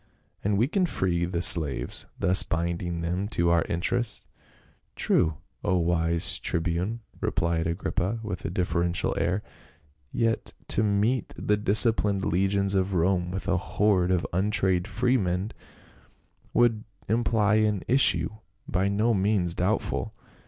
and we can free the slaves, thus binding them to our interests." "True, O wise tribune," rephed Agrippa with a deferential air. " Yet to meet the disciplined legions of Rome with a horde of untrained freedmen would imply an issue by no means doubtful.